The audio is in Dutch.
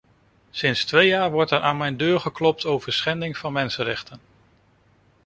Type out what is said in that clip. Sinds twee jaar wordt er aan mijn deur geklopt over schending van mensenrechten.